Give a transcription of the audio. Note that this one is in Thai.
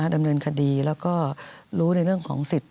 ดำเนินคดีแล้วก็รู้ในเรื่องของสิทธิ